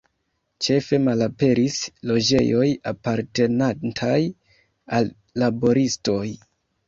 Ĉefe malaperis loĝejoj apartenantaj al laboristoj.